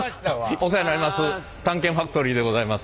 お世話になります。